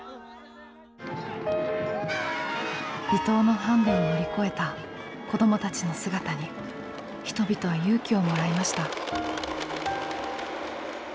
離島のハンデを乗り越えた子どもたちの姿に人々は勇気をもらいました。